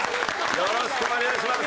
よろしくお願いします。